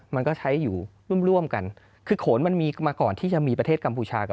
มันก็ใช้อยู่ร่วมร่วมกันคือโขนมันมีมาก่อนที่จะมีประเทศกัมพูชากับ